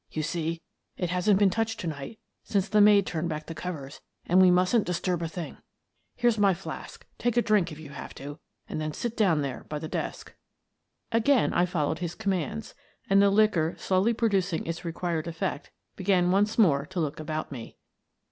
" You see, it hasn't been touched to night since the maid turned back the covers, and we mustn't dis turb a thing. Here's my flask ; take a drink if you have to, and then sit down there by the desk." Again I followed his commands, and, the liquor slowly producing its required effect, began once more to look about me.